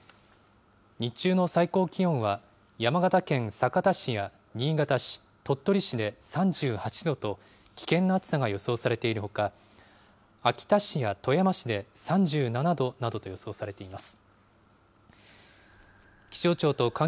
日中の最高気温は、山形県酒田市や新潟市、鳥取市で３８度と、危険な暑さが予想されているほか、秋田市や富山市で３７度などと予想されています。